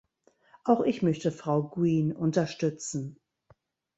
Auch ich möchte Frau Green unterstützen.